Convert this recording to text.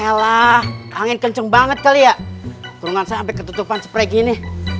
ya elah angin kenceng banget kali ya kurungan sampai ketutupan seperti ini